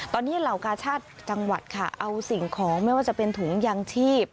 ตอนนี้เหล่ากาชาติจังหวัดค่ะเอาสิ่งของไม่ว่าจะเป็นถุงยางชีพ